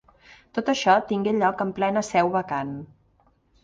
Tot això tingué lloc en plena seu vacant.